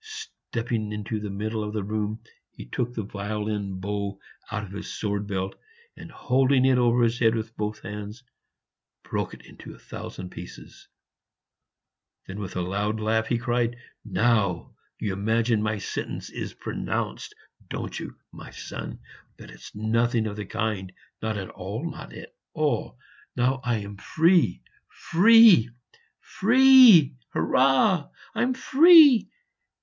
Stepping into the middle of the room, he took the violin bow out of his sword belt, and, holding it over his head with both hands, broke it into a thousand pieces. Then, with a loud laugh, he cried, "Now you imagine my sentence is pronounced, don't you, my son? but it's nothing of the kind not at all! not at all! Now I'm free free free hurrah! I'm free!